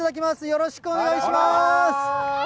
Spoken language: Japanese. よろしくお願いします！